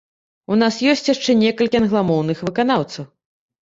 У нас ёсць яшчэ некалькі англамоўных выканаўцаў.